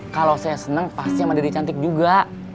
kalau saya senang pasti sama diri cantik juga